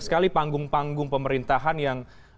sekali panggung panggung pemerintahan yang